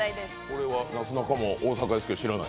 これは、なすなかも大阪ですけど知らない？